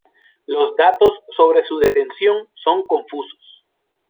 Los datos sobre su detención son confusos.